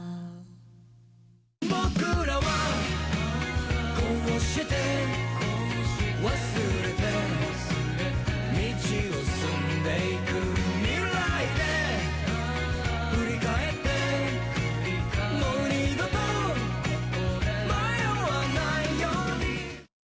「僕らはこうして忘れて、道を進んでいく」「未来で振り返ってもう２度と迷わないように」